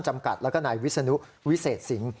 จำกัดแล้วก็นายวิศนุวิเศษสิง